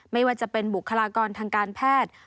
ไม่ว่าจะเป็นบุคลากรทางการแพทย์